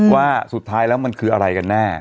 ว่าสุดท้ายแล้วมันคืออะไรกันแน่